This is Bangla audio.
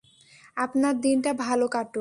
আপনার দিনটা ভালো কাটুক।